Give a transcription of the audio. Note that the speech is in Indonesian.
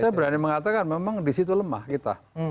saya berani mengatakan memang di situ lemah kita